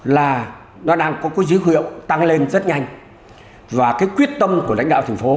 là nó đang có dữ liệu tăng lên rất nhanh và cái quyết tâm của lãnh đạo thành phố